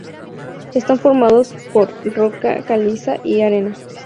Están formadas por roca caliza y arena.